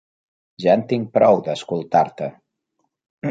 Ja en tinc prou, d'escoltar-te!